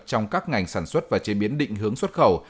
trong các ngành sản xuất và chế biến định hướng xuất khẩu